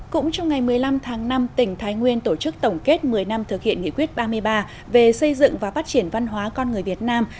cũng trong ngày một mươi năm tháng năm tỉnh thái nguyên tổ chức tổng kết một mươi năm thực hiện nghị quyết ba mươi ba về xây dựng và phát triển văn hóa con người việt nam